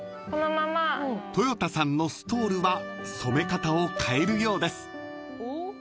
［とよたさんのストールは染め方を変えるようです］